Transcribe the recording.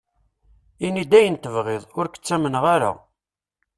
Ini-d ayen tebɣiḍ, ur k-ttamneɣ ara.